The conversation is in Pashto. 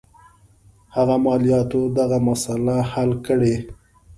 هغه مالیاتو دغه مسله حل کړي.